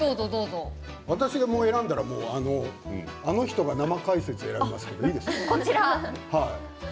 私が選んだらあの人が生解説！を選びますよ。